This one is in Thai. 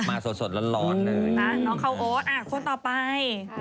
มาน้องคาโอ๊ตความต่อไป